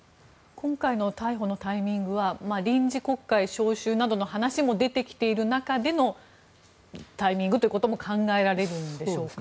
今回の逮捕のタイミングは臨時国会召集などの話も出てきている中でのタイミングということも考えられるんでしょうか。